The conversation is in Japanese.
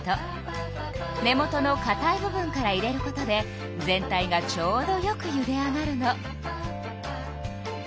根元のかたい部分から入れることで全体がちょうどよくゆで上がるの。